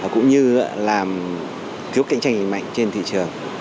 cũng như là thiếu cạnh tranh mạnh trên thị trường